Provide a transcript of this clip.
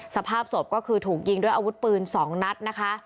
สภาพศพก็คือถูกยิงด้วยอาวุธปืน๒นัดนะคะ